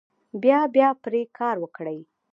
بیا بیا پرې کار وکړئ.